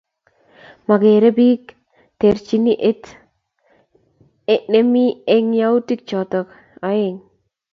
Mongerei bik terchin et nemi eng yautik choto oeng